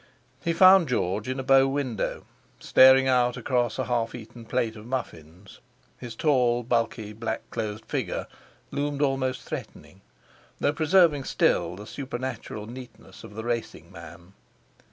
He found George in a bow window, staring out across a half eaten plate of muffins. His tall, bulky, black clothed figure loomed almost threatening, though preserving still the supernatural neatness of the racing man.